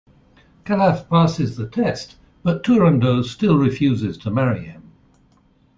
Calaf passes the test, but Turandot still refuses to marry him.